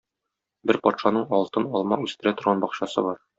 Бер патшаның алтын алма үстерә торган бакчасы бар.